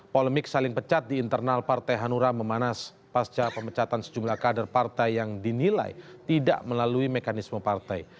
polemik saling pecat di internal partai hanura memanas pasca pemecatan sejumlah kader partai yang dinilai tidak melalui mekanisme partai